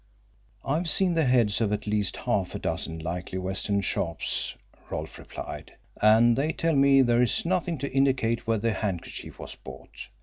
"I've seen the heads of at least half a dozen likely West End shops," Rolfe replied, "and they tell me there is nothing to indicate where the handkerchief was bought.